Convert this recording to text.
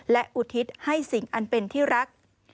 และอุทิศให้สิ่งอันเป็นที่รัก